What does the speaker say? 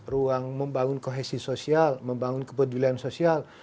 ruang membangun kohesi sosial membangun kepedulian sosial